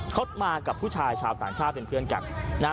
เขามากับผู้ชายชาวต่างชาติเป็นเพื่อนกันนะฮะ